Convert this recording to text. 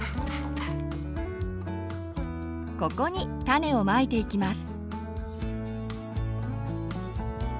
ここに種をまいていきます。